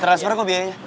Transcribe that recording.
dari transfer kok biayanya